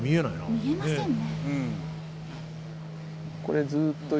見えませんね。